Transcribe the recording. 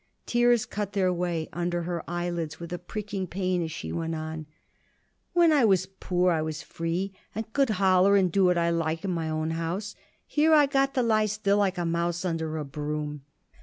Tears cut their way under her eyelids with a pricking pain as she went on: "When I was poor, I was free, and could holler and do what I like in my own house. Here I got to lie still like a mouse under a broom.